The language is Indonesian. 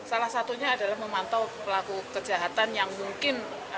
salah satunya adalah memantau pelaku kejahatan yang mungkin